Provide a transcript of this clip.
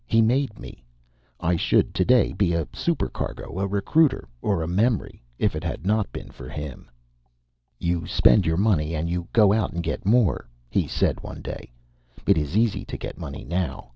He made me. I should today be a supercargo, a recruiter, or a memory, if it had not been for him. "You spend your money, and you go out and get more," he said one day. "It is easy to get money now.